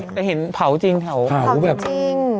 แต่เห็นเผาจู้สิ้น